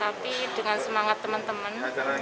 tapi dengan semangat teman teman